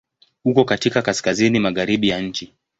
Uko katika kaskazini-magharibi ya nchi.